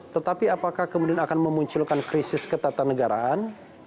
tetapi apakah kemudian akan memunculkan krisis ketatanegaraan